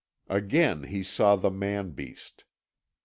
Again he saw the man beast.